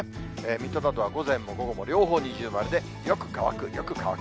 水戸などは午前も午後も両方二重丸で、よく乾く、よく乾く。